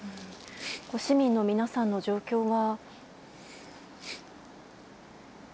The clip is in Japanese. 市民の皆さんの状況は？